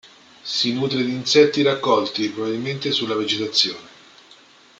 Si nutre di insetti raccolti probabilmente sulla vegetazione.